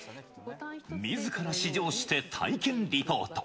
みずから試乗して、体験リポート。